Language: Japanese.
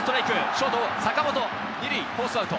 ショート・坂本、２塁フォースアウト。